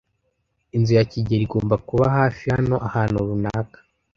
Inzu ya kigeli igomba kuba hafi hano ahantu runaka.